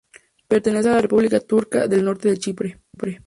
Pertenece a la República Turca del Norte de Chipre.